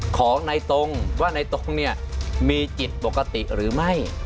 ของในตรงว่าในตรงเนี่ยมีจิตปกติหรือไม่